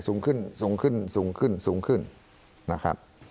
สูงขึ้นสูงขึ้นสูงขึ้นสูงขึ้นนะครับ